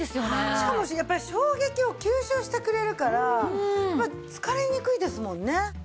しかもやっぱり衝撃を吸収してくれるから疲れにくいですもんね。